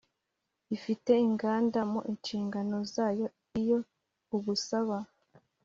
ifite inganda mu nshingano zayo Iyo ugusaba